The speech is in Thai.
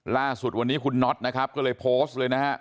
ล่าสุดวันนี้คุณน็อตเลยโพสต์